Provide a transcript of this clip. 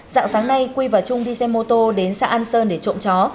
dạng sáng nay quy và trung đi xe mô tô đến xã an sơn để trộm chó